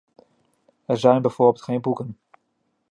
Er zijn bijvoorbeeld geen boeken.